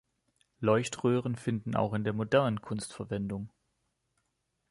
Leuchtröhren finden auch in der modernen Kunst Verwendung.